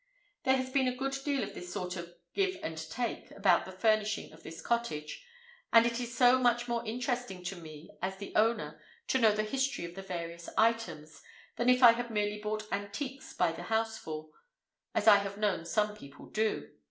There has been a good deal of this sort of "give and take" about the furnishing of this cottage. And it is so much more interesting to me as the owner to know the history of the various items, than if I had merely bought antiques by the houseful, as I have known some people do.